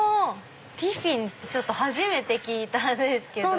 ティフィンって初めて聞いたんですけど。